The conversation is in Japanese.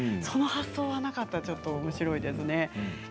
その発想はなかったおもしろいですね。